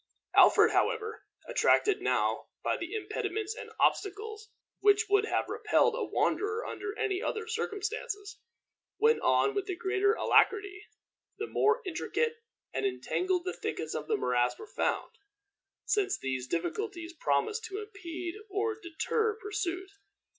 Alfred, however, attracted now by the impediments and obstacles which would have repelled a wanderer under any other circumstances, went on with the greater alacrity the more intricate and entangled the thickets of the morass were found, since these difficulties promised to impede or deter pursuit.